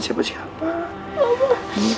hai anak papa yang cantik